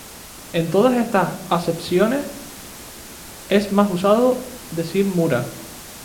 En todas estas acepciones es más usado decir "mura".